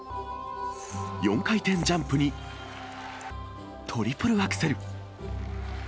４回転ジャンプに、トリプルアクセル。